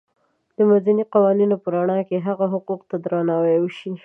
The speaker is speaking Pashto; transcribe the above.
د مدني قوانینو په رڼا کې هغوی حقونو ته درناوی وشي.